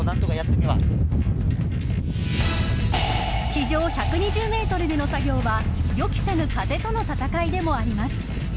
地上１２０メートルでの作業は予期せぬ風との戦いでもあります。